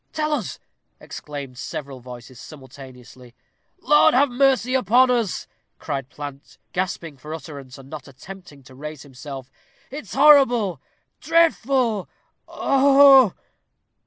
Tell us!" exclaimed several voices simultaneously. "Lord have mercy upon us!" cried Plant, gasping for utterance, and not attempting to raise himself. "It's horrible! dreadful! oh! oh!"